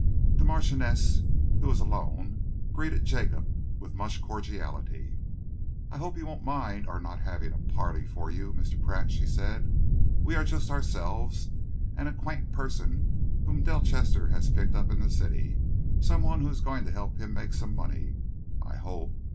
The Marchioness, who was alone, greeted Jacob with much cordiality. "I hope you won't mind our not having a party for you, Mr. Pratt," she said. "We are just ourselves, and a quaint person whom Delchester has picked up in the city, some one who is going to help him make some money, I hope.